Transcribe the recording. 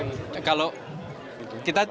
jadi per tahun atau per semester apa